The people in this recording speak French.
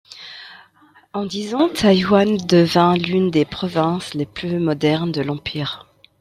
En dix ans, Taïwan devint l'une des provinces les plus modernes de l'empire.